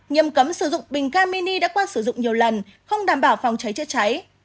nghiêm cấm sử dụng bình ga mini đã qua sử dụng nhiều lần không đảm bảo phòng cháy chữa cháy